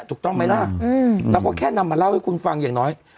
ถูกต้องไหมล่ะเราก็แค่นำมาเล่าให้คุณฟังอย่างน้อย